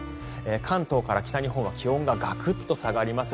関東から北日本は気温がガクッと下がります。